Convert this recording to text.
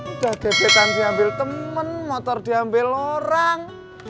udah deketan diambil temen motor diambil orang